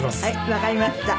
わかりました。